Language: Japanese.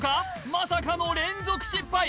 まさかの連続失敗！